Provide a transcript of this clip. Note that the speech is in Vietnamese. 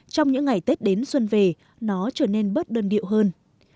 trong những ngày tết đến xuân về nó trở nên bớt đơn điệu hơn